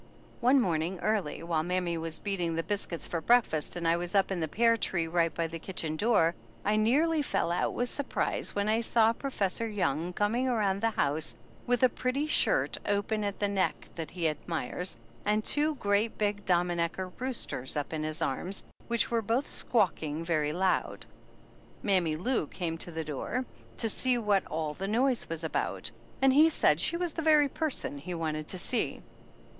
One morning early, while mammy was beat ing the biscuit for breakfast, and I was up in the pear tree right by the kitchen door I nearly fell out with surprise when I saw Professor Young coming around the house with a pretty shirt open at the neck that he admires and two great big dominecker roosters up in his arms which were both squawking very loud. Mammy Lou^came to the door to see what all the noise was about, and he said she was the very person he wanted to see.